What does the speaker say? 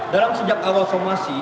dalam sejak awal somasi